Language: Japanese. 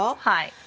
はい。